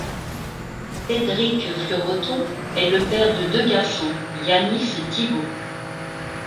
Cédric Fleureton est le père de deux garçons, Yanis et Thibo.